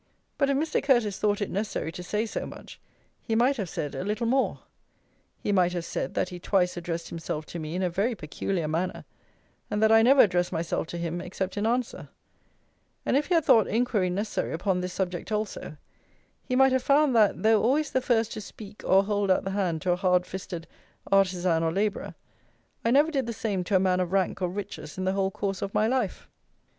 But, if Mr. Curteis thought it necessary to say so much, he might have said a little more. He might have said, that he twice addressed himself to me in a very peculiar manner, and that I never addressed myself to him except in answer; and, if he had thought "inquiry" necessary upon this subject also, he might have found that, though always the first to speak or hold out the hand to a hard fisted artisan or labourer, I never did the same to a man of rank or riches in the whole course of my life.